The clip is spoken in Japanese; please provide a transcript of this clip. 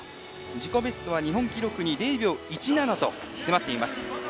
自己ベストは日本記録に０秒１７と迫っています。